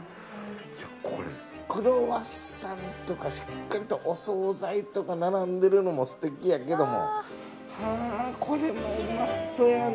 いやこれクロワッサンとかしっかりとお総菜とか並んでるのもすてきやけどもはぁこれもうまそうやね。